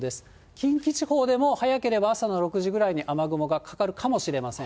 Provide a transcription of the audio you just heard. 近畿地方でも早ければ朝の６時ぐらいに雨雲がかかるかもしれません。